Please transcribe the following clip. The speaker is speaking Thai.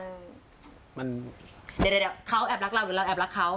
เดี๋ยวเดี๋ยวเดี๋ยวเขาแอบรักเราหรือเราแอบรักเขา